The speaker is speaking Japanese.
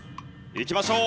いきましょう。